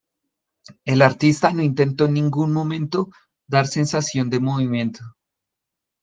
El artista no intentó en ningún momento dar sensación de movimiento.